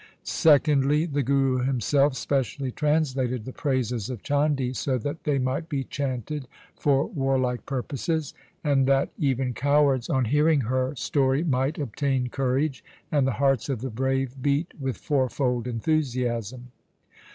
Secondly, the Guru himself specially translated the praises of Chandi so that they might be chanted for warlike purposes, and that even cowards on hearing her story might obtain courage and the hearts of the brave beat with fourfold enthusiasm.